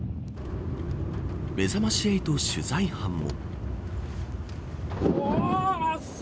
めざまし８取材班も。